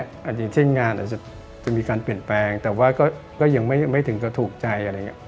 อาจจะเช่นงานอาจจะมีการเปลี่ยนแปลงแต่ว่าก็ยังไม่ถึงก็ถูกใจ